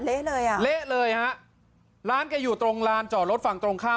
เลยอ่ะเละเลยฮะร้านแกอยู่ตรงลานจอดรถฝั่งตรงข้าม